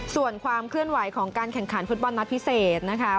ส่วนความเคลื่อนไหวของการแข่งขันฟุตบอลนัดพิเศษนะคะ